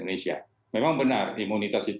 mereka lambat guessed